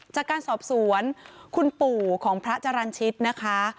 จากการสอบสวนคุณปู่ของพระจรรย์ชิตนะคะ